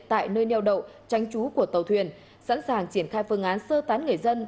tại nơi neo đậu tranh trú của tàu thuyền sẵn sàng triển khai phương án sơ tán người dân